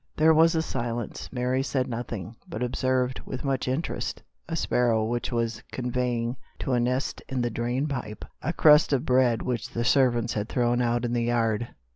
There was a silence. Mary said nothing, but observed, with much interest, a sparrow which waa conveying to a nest in the drain pipe a crust of bread which the servants had thrown out in the yard.